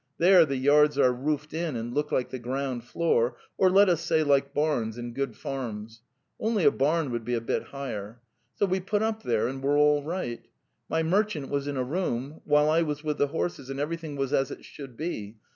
There the yards are roofed in and look like the ground floor, or let us say like barns in good farms. Only a barn would be a bit higher. So we put up there and were all right. My merchant was in a room, while I was with the horses, and everything was as it should be.